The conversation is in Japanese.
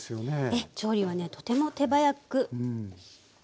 調理はねとても手早く。